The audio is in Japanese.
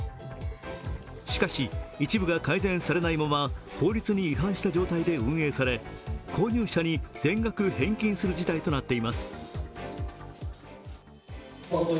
しかし一部が改善されないまま、法律に違反した状態で運営され、購入者に全額返金する事態となっています。